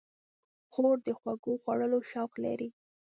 خور د خوږو خوړلو شوق لري.